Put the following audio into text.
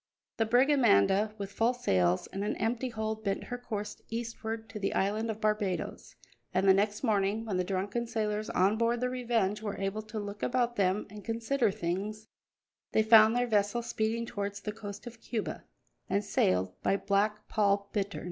The brig Amanda, with full sails and an empty hold, bent her course eastward to the island of Barbadoes, and the next morning, when the drunken sailors on board the Revenge were able to look about them and consider things, they found their vessel speeding towards the coast of Cuba, and sailed by Black Paul Bittern.